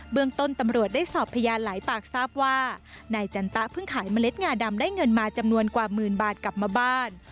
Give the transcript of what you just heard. เมืองต้นตำรวจได้สอบพยานหลายปากทราบว่านายจันตะเพิ่งขายเมล็ดงาดำได้เงินมาจำนวนกว่าหมื่นบาทกลับมาบ้าน